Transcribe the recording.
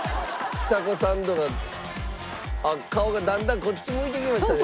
ちさ子さん度が顔がだんだんこっち向いてきましたね。